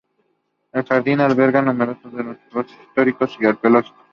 El jardín alberga monumentos de valor histórico, artístico y arqueológico,